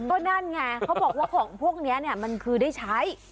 ก็นั่นไงเขาบอกว่าของพวกนี้มันคือได้ใช้